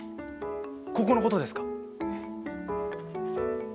ここのことですか？